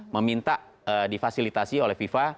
meminta difasilitasi oleh viva